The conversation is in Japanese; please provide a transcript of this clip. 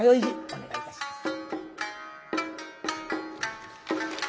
お願いいたします。